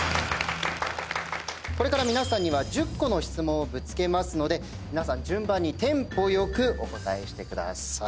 これから皆さんには１０個の質問をぶつけますので皆さん順番にテンポ良くお答えしてください。